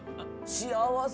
幸せ。